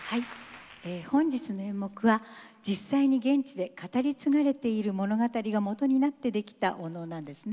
本日の演目は実際に現地で語り継がれている物語が元になって出来たお能なんですね。